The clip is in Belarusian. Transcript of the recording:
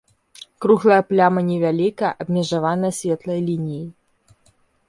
Круглая пляма невялікая, абмежаваная светлай лініяй.